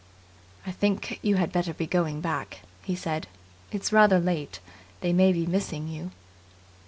"I think you had better be going back," he said. "It's rather late. They may be missing you."